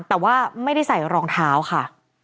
แต่ว่าไม่ได้ใส่รองเท้าค่ะ